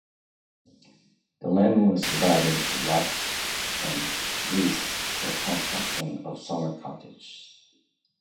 The land was divided into lots and leased for construction of summer cottages.